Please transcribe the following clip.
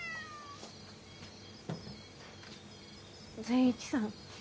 善一さん。